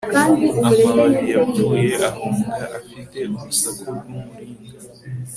Amababi yapfuye ahunga afite urusaku rwumuringa